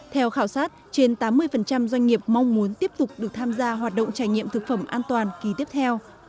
theo khảo sát trên tám mươi doanh nghiệp mong muốn tiếp tục được tham gia hoạt động trải nghiệm thực phẩm an toàn ký tiếp theo